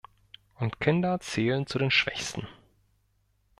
Und Kinder zählen zu den Schwächsten.